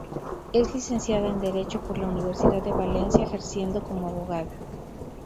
Es licenciada en Derecho por la Universidad de Valencia, ejerciendo como abogada.